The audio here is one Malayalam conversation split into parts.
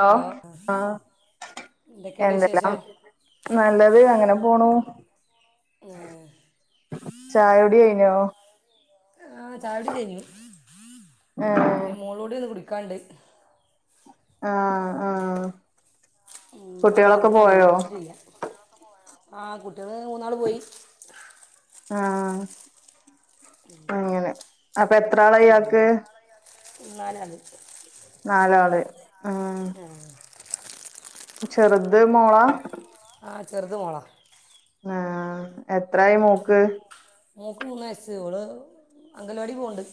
ഹലോ അലോ ആഹ് എന്തെല്ലാം? നല്ലത് അങ്ങനെ പോണു. ഏ ചായോടി കൈഞ്ഞോ? ആഹ് ചായോടി കൈഞ്ഞു ഏഹ് ഇനി മോളൂടി ന്ന് കുടിക്കാണ്ട് ആഹ് ആഹ് മോള കുട്ടികളൊക്കെ ഉറങ്ങാണ് പോയോ എണീച്ചിട്ടില്ല. ആഹ് കുട്ടികൾ മൂന്നാൾ പോയി. ആഹ് അങ്ങനെ അപ്പൊ എത്രാള യാക്ക് ന്നാല അത് നാലാള് ഉം ആ ചെറ്ത് മോള ആഹ് ചെറുത് മോള ആഹ് എത്രായി മോക്ക് മോക്ക് മൂന്നയസ്സ് ഓള് അംഗൽവാടി പോണ്ട്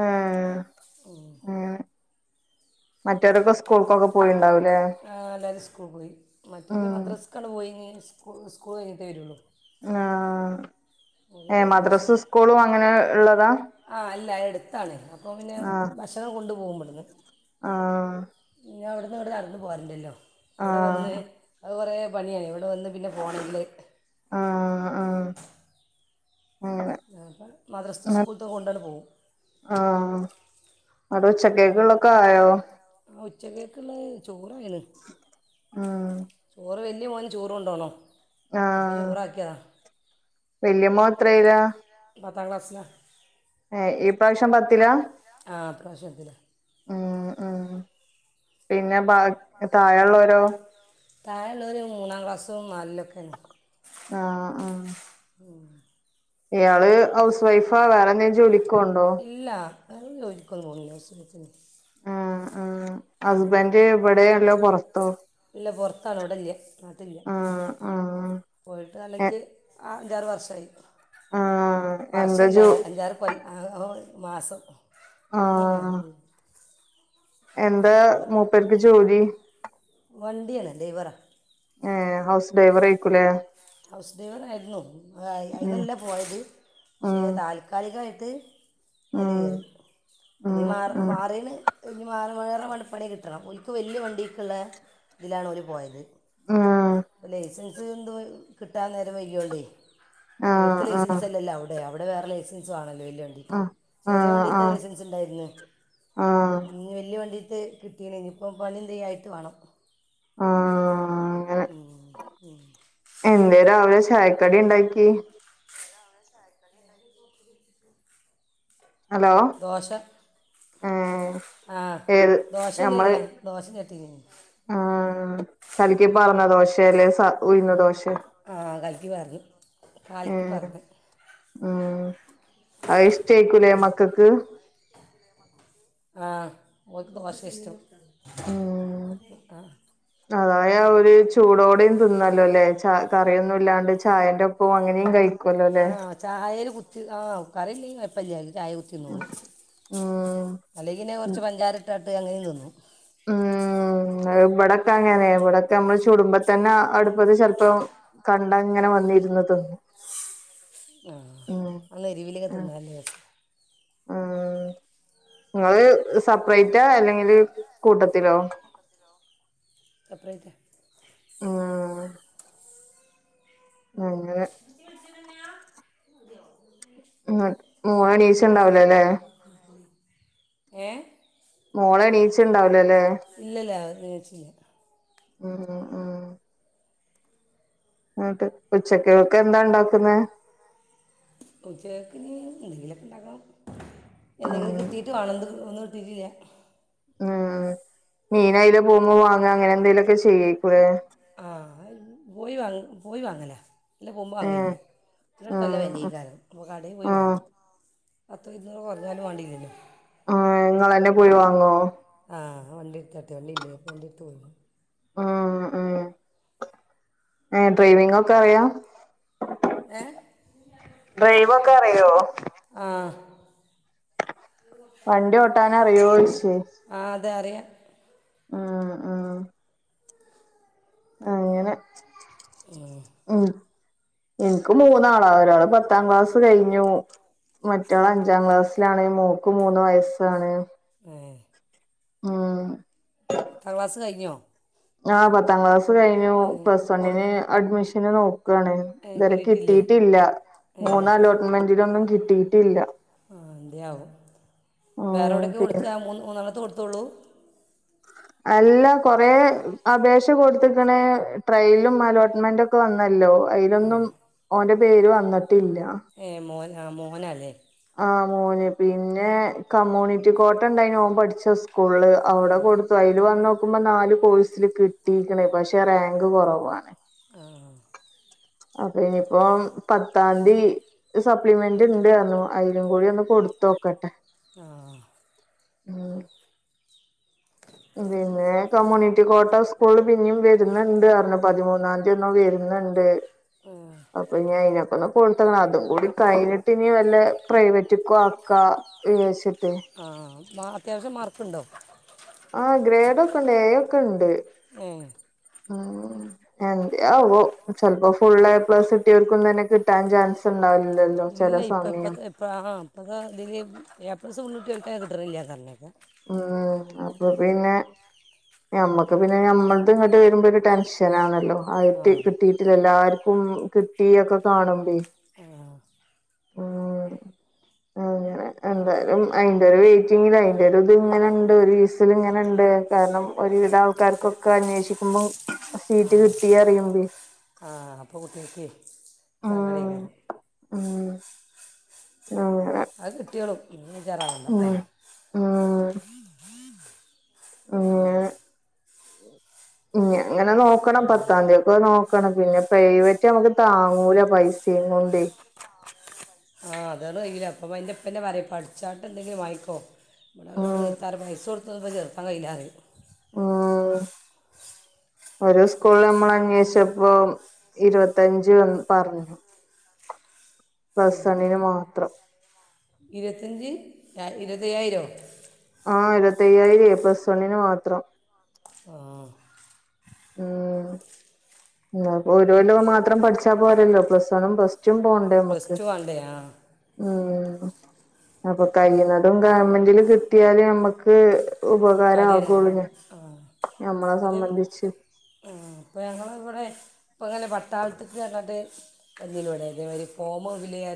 ആഹ് ഓ മറ്റവരൊക്കെ സ്കൂൾക്കൊക്കെ പോയിണ്ടാവൂലേ? ആ അല്ലാവതും സ്കൂൾ പോയി മറ്റേ ഉം മദ്രാസ് കട പോയിനി സ്കൂ സ്കൂൾ കഴിഞ്ഞിട്ടേ വരുള്ളൂ ആഹ് ഓല് ഏ ഭക്ഷണം മദ്രാസ് സ്കൂളും അങ്ങനെ ഉള്ളതാ? ആ അല്ല എടുത്താണ് അപ്പോപിന്നെ ആഹ് ഭക്ഷണം കൊണ്ടു പോകുമ്പട്ന്ന് ആഹ് ഇഞ്ഞവിടെന്ന് ഇവിടെ നടന്ന് പോരണ്ടല്ലോ ഇബടെ ആഹ് വന്ന് അത് കുറേ പണിയായി ഇവിടെ വന്ന് പിന്നെ പോകണെങ്കില് ആഹ് ആഹ് ഞൾ മദ്രസ് അങ്ങനെ സ്കൂളത്തൊക്കെ കൊണ്ടാണ്ട് പോവും ആഹ് അടെ ഉച്ചകേക്കുളൊക്കെ ആയോ? ആ ഉച്ചകേക്കുള്ള ചോറായിന് ഉം ചോറ് വല്യ മോന് ചോറണ്ടോണോ? ആഹ് വല്യമ്മോൻ എത്രെലാ? പത്താം ക്ലാസില ഏഹ് ഈ പ്രാവശ്യം പത്തിലാ ആഹ് ഇപ്രശ്യം പത്തില ഉം ഉം പിന്നെ ബ താഴള്ളോരോ താഴളൊരു മൂന്നാം ക്ലാസ്സും നാലിലൊക്കെയാണ് ആഹ് ആഹ് ഉം ഇയാള് ഹൗസ് വൈഫാ വേറെന്തേലും ജോലി ഇല്ല അങ്ങനെ ജോലിക്കൊന്നും പോണില്ല [unintelligible] ആഹ് ആഹ് ഹസ്ബൻഡ് ഇവിടെ അല്ല പുറത്തൊ ഇല്ല പൊർത്താണ് ഇവിടില്ല നാട്ടില്ല ആഹ് ആഹ് പോയിട്ട് എ നാലഞ്ച് ആ അഞ്ചാറ് വർഷായി ആഹ് എന്താ വർഷല്ല ജോ അഞ്ചാറ് കൊല്ല് [unintelligible] മാസം ആഹ് [unintelligible] എന്താ മൂപ്പർക്ക് ജോലി വണ്ടിയാണ് ഡൈവറ ഏ ഹൗസ് ഡ്രൈവറ് ആയിക്കൂലേ ഹൗസ് ഡ്രൈവർ ആയിരുന്നു ഉം അയിനല്ല പോയത് പക്ഷെ ഉം താൽക്കാലികായിട്ട് അല് ഉം എന്തേ ഉം മാറ് ഉം മാറീണ് ഒയ്ഞ് മാറ വേറെ മണപ്പണി കിട്ടണം. ഓൽ ഇപ്പ വെല്യ വണ്ടി ഒക്കെല്ല ഇതിലാണ് ഓല് പോയത് ലൈസൻസ് എന്തോ കിട്ടാൻ നേരം വൈകിയോണ്ടേ ആഹ് ഇവടുത്തെ ആഹ് ലൈസൻസ് ആഹ് അല്ലല്ലോ അവിടെ അവിടെ വേറെ ലൈസൻസ് വേണല്ലോ വല്ല്യവ ഉം ഉം ആഹ് ചെറിയ ആഹ് വണ്ടി ഇപ്പഴേ തന്നെ ആഹ് യസ് ച് ണ്ടായിരിന്ന് ആഹ് ഇനി വലിയ വണ്ടിട്ട് കിട്ടീണ ഇനി ഇപ്പം പനന്ത്യ ആയിട്ട് വേണം ആഹ് അങ്ങനെ ഉം, ഉം. എന്തേ രാവിലെ ചായക്കടിണ്ടാക്കി ഹലോ ദോശ ഏഹ് ആ ഏത് ദോശഞെരിയ ദോശ ചട്ടിനീയും ആ കലിക്കി പാർന്ന ദോശേല് സ ഉയ്ന്ന് ദോശേ ആ കല്ക്കി പറഞ്ഞു കല്ക്കി ഏഹ് പറഞ്ഞു ഉം അത് ഇഷ്ട്ട ആയിക്കൂലേ മക്കക്ക് ആഹ് ഓക്ക് ദോശ ഇഷ്ടം ഉം ആഹ് അതായ ഒരു ചൂടോടെയും തിന്നല്ലോ ല്ലേ ച കറിയൊന്നും ഇല്ലാണ്ട് ചായന്റെ ഒപ്പവും അങ്ങനെയും കഴിക്കുവല്ലോ ല്ലേ ചായലേ കുത്തി ആ കറിഇല്ലേലും കൊയ്യപ്പഇല്ലാഞ്ഞു ചായ കുത്തിതിന്നോള്ളും ഉം അല്ലെങ്കില് കൊർച്ച് പഞ്ചാരട്ടാട്ട് അങ്ങനെ തിന്നു ഉം അത് ഇവടൊക്കെ അങ്ങനെ ഇവടക്കമ്മ ള് ചുടുമ്പതന്നെ അടുപ്പത് ചെലപ്പോ കണ്ട് അങ്ങനെ വന്നിരുന്നു തിന്നു ആഹ് നല്ല എരുവിലങ്ങ് തിന്നാലേ ആഹ് നിങ്ങള് സെപ്പറേറ്റാ അല്ലെങ്കില് കൂട്ടത്തിലോ സപ്രയിറ്റാ ഉം അങ്ങനെ [unintelligible] [inaudible] ഉ് മോള് എണീച് ണ്ടാവുല്ലല്ലേ ഏ മോള് എണീച് ണ്ടാവുല്ലല്ലേ ഇല്ലല്ല അത് നീചിട്ട് ഉം ഉമ് എന്നട്ട് ഉച്ചക്കെക്ക് എന്താ ണ്ടാക്കുന്നേ ഉച്ചേക്ക ഇന്ന് എന്തെങ്കിലൊക്കെ ഉണ്ടാക്കണം എന്തെങ്കിലും ഉം കിട്ടീയിട്ട് വേണം ഇന്ന് ഒന്നും ട്ട് ട്ടി ല്ല്യ ഉം മീനായിലെ പോഉമ്പ വാങ്ങ അങ്ങനെ എന്തേലൊക്കെ ചെയ്യൊയ്ക്ക്ലേ ആ പോയി വാങ്ങ് പോയി വാങ്ങല ഇല്ല ഏഹ് പോവുമ്പങ്ങനെയാ ഇവൾക്ക് ആഹ് [unintelligible] പോ കടെ പോയി ആഹ് വാങ്ങും പത്ത് ഇരുപത് കുറഞ്ഞാലും വാണ്ടിലല്ലോ ആഹ് നിങ്ങളന്നെ പോയി വാങ്ങോ ആഹ്. വണ്ടിട്ത്ത് അത്യാ വണ്ടില്യേ വണ്ടിട്ത്ത് പോയി... ഉം ഉം ഏഹ് പോയി നിങ്ങക്ക് അറിയാ ഏ ഡ്രൈവൊക്കെ അറിയോ. ആഹ് വണ്ടി ഓട്ടാൻ അറിയോയ്ച്ച് ആഹ് അതെ അറിയാ ഉം ഉം അങ്ങനെ മ്മ് മ്മ് എനിക്ക് മൂന്നാള ഒരാള് പത്താം ക്ലാസ്സ് കഴിഞ്ഞു. മറ്റവൾ അഞ്ചാം ക്ലാസ്സിലാണ് മോക്ക് മൂന്ന് വയസ്സാണ്. ഏഹ് ഉം ത്താം ക്ലാസ്സ്‌ കയിഞ്ഞോ ആഹ് പത്താം ക്ലാസ് കഴിഞ്ഞു പ്ലസ് കൊടു വണ്ണിന് അഡ്മിഷന് നോക്കുവാണ് ഏ ഇതുവരെ കിട്ടിയിട്ടില്ലേ കിട്ടിട്ടില്ല ഏ മൂന്ന് അലോട്മെന്റിലൊന്നും കിട്ടിട്ടില്ല. ആഹ് എന്തിയാവോ ഉം വേറെവുടെക്കെ പിന്നെ കൊടുത്ത ആ മു മൂന്നണ്ണത്ത് കൊടുത്തുള്ളൂ. അല്ല കൊറെ അപേഷ കൊടുത്ത്ക്ണ് ട്രെയിലും അലോട്ട് മെന്റക്കെ വന്നല്ലോ അതിലൊന്നും ആ ഓന്റെ പേര് വന്നിട്ടില്ല. ഏഹ് മോൻ ആഹ് മോനല്ലേ ആഹ് മോന് പിന്നെ കമ്മ്യൂണിറ്റി കോട്ടണ്ടായിനു ഓൻ പഠിച്ച സ്കൂളില് അവടെ കൊടുത്തു അയില് വന്നോക്കുമ്പോ നാല് കോഴ്സില് കിട് ട്ടീക്ക്ണ് പഷെ റാങ്ക് കൊറവാണ്. ആഹ് അപ്പോ ഇനീപ്പോം പത്താം തി. ഇത് സപ്ലിമെന്റ്ണ്ട ആന്നോ അയിലും കൂടിഒന്ന് കൊടുത്തോക്കട്ടെ. ആഹ് ഉം പിന്നെ കമ്മ്യൂണിറ്റി കോട്ട സ്കൂള് പിന്നിം വരുന്നുണ്ട് അന്ന് പതിമൂന്നന്തി ഇന്നും വെരുന്നുണ്ട് ആഹ് അപ്പോയിനി അയിനാ [unintelligible] കൊടുത്തഭാഗംകൂടി. കഴിഞ്ഞിട്ട് ഇനി വല്ല പ്രൈവറ്റക്കോ ആക്കാ വിചാരിച്ചട്ടെ ആഹ് മാ അത്യാവശ്യം മാർക്കുണ്ടൊ ആഹ് ഗ്രേഡോക്കൊണ്ട് എ ഒക്കെണ്ട് ഏഹ് ഉം എന്ത് ആവോ ചെലപ്പോ ഫുള്ള് എ പ്ലസ് കിട്ടിയൊര്ക്കുന്നെന്നേ കി കിട്ടാൻ ചാൻസ്ണ്ടാവില്ലല്ലോ ചെല സമയം പ്പാ പ്പാക്ക ഇതില് എ പ്ലസ് ഫുള്ള് കിട്ട്യോര്ക്ക ക്കിട്ണ്ല്ല്യ പർഞ്ഞേകാ ആഹ് അപ്പൊ പിന്നെ ഞമ്മക്ക് പിന്നെ ഞമ്മൾത് ഇങ്ങട്ട് വരുമ്പോരു ടെൻഷനാണല്ലോ. ആഹ് ആ ട്ടി കിട്ടീട്ട് എല്ലാർക്കും കിട്ടിയൊക്കെ കാണുമ്പേ ആഹ് ഉം അങ്ങനെ എന്തായാലും അയിന്റൊരു വെയിറ്റിങ്ങിലായി. ഇവരത് ഇങ്ങനെണ്ട് ഒരു വയസ്സിൽ ഇങ്ങനെണ്ട് കാരണം ഒരുവിധം ആൾക്കാർക്കൊക്കെ അന്വേഷിക്കുമ്പോ ആഹ് ആഹ് അപ്പൊ കുട്ടികക്കെ സങ്കടായികാണും മ്മ് [unintelligible] അത് കിട്ടിയൊളും ഇന്നിജരാവണ്ട. ഉം ഉം [unintelligible] ഇഞ്ഞ് അങ്ങനെ നോക്കണം പത്താം തീ [unintelligible] നോക്കണം പിന്നെ പ്രൈവറ്റ് നമ്മുക്ക് താങ്ങൂല പൈസിംകോണ്ടേ ആഹ് [unintelligible] പറയും പഠിച്ചാട്ട് എന്തെങ്കിലും വങ്ങിക്കോ. ഉം [unintelligible] പൈസ കൊടുത്തൊന്നും പ്പൊ ചേർതാൻ കയ്യില്ല പറയും. ഉം ഓരോ സ്കൂളിൽ നമ്മൾ അന്വേഷിച്ചപ്പോ. ഇരുപത്തഞ്ച് എന്ന് പറഞ്ഞു പ്ലസ് വണ്ണിന് മാത്രം. ഇരുപത്തഞ്ച് ഇരുപത്തയ്യായിരം ആഹ് ഇരുപത്തിയ്യായിരം പ്ലസ് വണിന് മാത്രം. ആഹ് ഉം അ ഒരുല്ലം മാത്രം പഠിച്ചാ പോരല്ലോ പ്ലസ് വണും പ്ലസ് [unintelligible] പോണ്ടേ നമുക്ക് [unintelligible] ഉം അപ്പൊ കയ്യ്ന്നതും ഗവൺമെന്റില് കിട്ടിയാല് ഞമ്മക്ക്. കാര്യം ഉപകാരാകുള്ളു ആ ഞമ്മളെ സംബന്ധിച്ച്. ആഹ് ഇപ്പം ഞങ്ങളിവിടെ. ഇപ്പങ്ങനെ പട്ടാളത്ത്ക്ക് പറഞ്ഞാണ്ട് വന്നീലേയ് ഇവിടെ ഇതേ മാതിരി ഫോമ് ഫില് ചെയ്യാ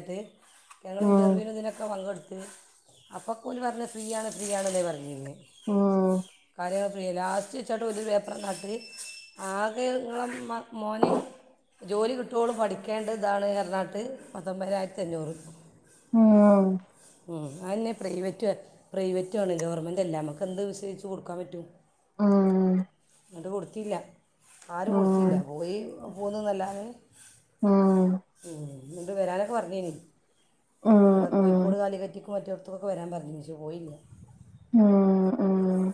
ഞങ്ങൾ ഉം ഇൻറർ്യൂവിന് ഇതിനൊക്കെ പങ്കെടുത്ത് അപ്പൊക്കോല്‌ പറഞ്ഞത് ഫ്രീയാണ് ഫ്രീയാണ് ആണെന്ന് പറഞ്ഞിന്ന്. ഉം [unintelligible] ആകെ ഇങ്ങളെ മോന് ജോലി കിട്ടോളം പഠിക്കേണ്ടത് ഇതാണ് പറഞ്ഞാട്ട് പത്തൊൻമ്പതിനായിരത്തി അഞ്ഞൂറ്. മ്.... ഉം അയന്നെ പ്രൈവറ്റ് പ്രൈവറ്റു ആണ് ഗവർമെന്റ് അല്ല നമ്മുക്ക് എന്ത് വിശ്വസിച്ചും കൊടുക്കാൻ പറ്റും. ആഹ് ന്നിട്ട് കൊടുത്തില്ല ആരും കൊടുത്തില്ല ഉം പോയി പോന്നുന്നല്ലാതെ. ഉം ഉം ഇന്നിട്ട് വരാനൊക്കെ പറഞ്ഞിനി. ഉം ഇവിടെ ഉം ഉം കോഴിക്കോട് കാലിക്കറ്റ്ക്കും മറ്റോട്ത്തോക്കെ വരാൻ പറഞ്ഞീനി പക്ഷേ പോയില്ല ഉം ഉം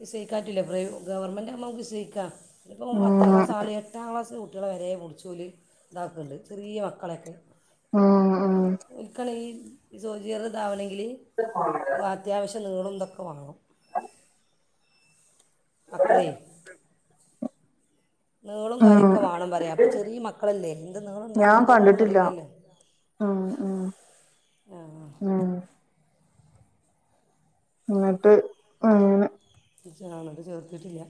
വിസയിക്കാറ്റൂല ഗവൺമെന്റ ആകുമ്പോ വിസയിക്കാം ഇപ്പോ പത്താം ഉം ക്ലാസ് ആള് എട്ടാം ക്ലാസ്. കുട്ടികളെ വരെ പുടിച്ചോല് ഇതാക്ക്ണ്ട് ചെറിയ മക്കളൊക്കെ. ആ ആ ഓൽക്കാണെങ്കി ഈ സോൽ ജിയറ്താവണങ്കിൽ. [unintelligible] അത്യാവശ്യം നീളതൊക്കെ വാണം. മക്കളേ. നീളും ഉം കാര്യക്കെ വേണം പറയാ അപ്പൊ ചെറിയ മക്കളല്ലേ ത് നീളണ്ടാവോ ന്തോന്നും അറിയില്ല ലോ? ആഹ് ആഹ് ആഹ് ആ ന്നിട്ട് അങ്ങനെ. [unintelligible] ചേർത്തിട്ടില്ല.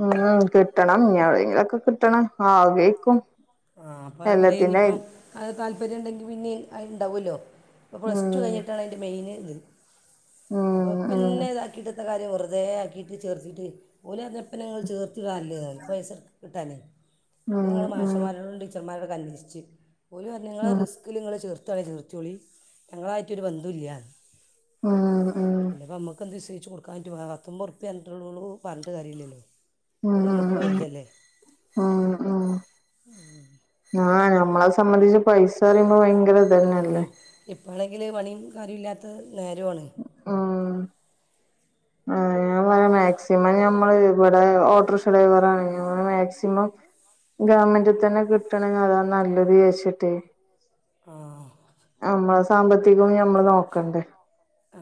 ഉം കിട്ടണം ഞവിടെങ്കിലൊക്കെ കിട്ടണം. ആഗ്രഹിക്കും ആഹ അപ്പൊ ഞാൻ പറ എല്ലാത്തിന്റെ ഇഞ്ഞിപ്പോ. അത് താല്പര്യം ഇണ്ടെങ്കിൽ പിന്നെ അത് ഇണ്ടാവല്ലോ അപ്പോൾ പ്ലസ് ടു ഉം കഴിഞ്ഞിട്ടാണ് അതിൻ്റെ മെയിൻ ഇത്. ഉം അപ്പൊ ഉം ഇപ്പന്ന ഇതാക്കിട്ടെന്ത കാര്യം വെറുതെ ആക്കി [unintelligible] ന്ന ഉം ഞങ്ങൾ ഉം മാഷന്മാരോടും ടീച്ചർമാരോടക്കെ അന്വേഷിച്ച് ഓല് പറഞ്ഞ് ഇങ്ങൾ ഉം റിസ് ക്കിൽ ഇങ്ങൾ ചേർത്താണെ ചേർത്തോളി. ഞങ്ങളായിട്ടൊരു ബന്തൊല്ല്യാന്ന് ഉം ഉം പിന്നപ്പ ഞമ്മക്ക് എന്ത് വിശ്വസിച്ച് കൊടുക്ക. കാ പറ്റോ പത്തൊമ്പത് റുപ്പ്യ പറഞ്ഞിട്ടുള്ളു ളു പറഞ്ഞി് ട്ട്‌ കാര്യമല്ലല്ലോ ഉം അത് ഞമക്ക് പ്പൊ വൽതല്ലേ. ഉം, ഉം. ഉം ആഹ് ഞമ്മള സമ്മന്ധിച്ച് പൈസറയുമ്പോ ഭയങ്കര ഉം ഇതന്നെല്ലേ ഇപ്പോആണെങ്കില് പണിയും കാര്യോം ഇല്ലാത്ത നേരോണ്. ഉം. ആഹ് ഞാ മാക്സിമം ഞമ്മള് ഇവിടെ ഓട്ടോർഷ ഡ്രൈവറാണ് ഞമ്മള് മാക്സിമം ഗവൺമെന്റിൽ തന്നെ കിട്ടണങ്കി അതാ നല്ലതേച്ചിട്ടേ ആഹ് നമ്മള സാമ്പത്തികോം നമ്മള് നോക്കണ്ടേ ആ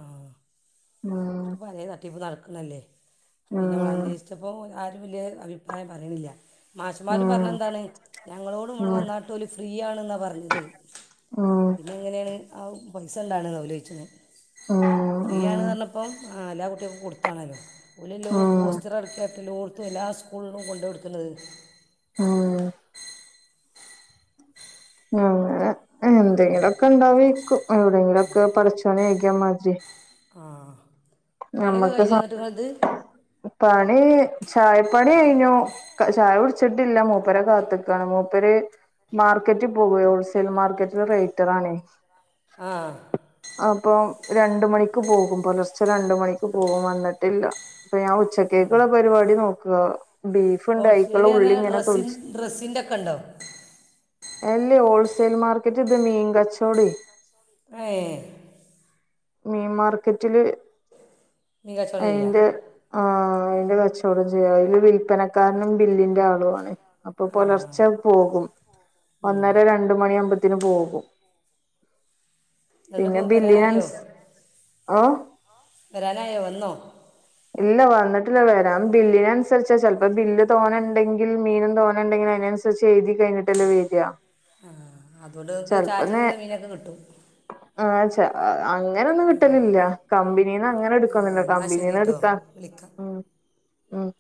ഉം ട്ടിപ്പ് നടക്ക്‌ണില്ലേ പിന്നെ നമ്മള് ഉം അന്വേഷിച്ചപ്പോ ആരും വലിയ അഭിപ്രായം പറയണില്ല. മാഷന്മാരും ഉം പറഞ്ഞതെന്താണ് ഞങ്ങളോടും ഇവിടെ ഉം വന്നാട്ട് ഓല് ഫ്രീ ആണെന്നാണ് പറഞ്ഞത്. ഉം പിന്നെ എങ്ങനെയാണ് ആ പൈസ ഉണ്ടാണ്ന്നാ ഓലോയിച്ച്ണ്. ഉം ഫ്രീ ഉം ആണന്നറഞ്ഞപ്പോ ആഹ് എല്ലാ കുട്ടികൾക്കും കൊടുത്താണല്ലോ ഓലെല്ലോം ഉം പോസ്റ്റർ അടിച്ചു എല്ലാ സ്കൂളിലും കൊണ്ട് കൊടുക്കുന്നത് ഉം. അങ്ങനെ എന്തേലൊക്കെ ഇണ്ടാവേക്കും എവിടെങ്കിലൊക്കെ പഠിച്ചോനേകിയാമാതിരി. ആഹ്. ഞമ്മക്ക് സർ പണി ചായപ്പണിഴിഞ്ഞു. ചായ കുടിച്ചിട്ടില്ല മൂപ്പരെ കാത്ത്ക്കാണ് മൂപ്പര് മാർക്കറ്റി പോകുവേ ഹോൾസെൽ മാർക്കറ്റില് റേറ്ററാണേ. ആഹ്. അപ്പം രണ്ട് മണിക്ക് പോകും. പൊലർച്ചെ രണ്ട് മണിക്ക് പോകും വന്നിട്ടില്ല. പ്പൊ ഞാ ഉച്ചക്കേക്കുള്ള പരിപാടി നോക്കാ. ബീഫ്ഇണ്ട് അയ്ക്കുള്ള ഉള്ളിങ്ങന ഡ്രസിൻ, ഡ്രസ്സിന്റെക്കെണ്ടോ? അല്ലേ ഹോൾസേൽ മാർക്കറ്റ് ഇത് മീൻ കച്ചോടേ. ഏഹ്. മീം മാർക്കെറ്റില് [inaudible] കച്ചവടം ചെയ്യാം അയിന്റെ ആഹ് അയിന്റെ കച്ചവടം ചെയ്യാ അയില് വില്പ്പന കാരണം ബില്ലിന്റെആളുആണ് അപ്പൊ ആ പൊലർച്ച പോകും. ഒന്നര ര ണ്ട് മണിയാവുമ്പത്തിന് പോകും പിന്നെ എന്നിട്ടിപ്പോൾ വരാനായോ ബില്ലിയൻസ് ഓഹ്. വരാനായോ വന്നോ? ഇല്ല വന്നിട്ടില്ല വരാം ബില്ലിനനുസരിച്ചാ ചെൽപ്പോ ബില്ല് തോനെണ്ടെങ്കിൽ മീനും തോനെണ്ടെങ്കി അയിനനുസ് രിച്ചെയ്തി കഴിഞ്ഞിട്ടല്ലെ വര്അ. ആഹ് അതോണ്ട്ങ്ങക്ക് ചാറ്റിനുള്ള മീനൊക്കെ കിട്ടും. ആഹ്ഛ അങ്ങനോന്നും കിട്ടലില്ല കമ്പിനീന്ന് അങ്ങനെ എടുക്കൊന്നൂല്ല. കമ്പനീന്ന് എടുക്കാ വിളിക്ക ഉം, ഉം.